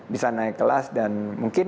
bisa naik kelas dan mungkin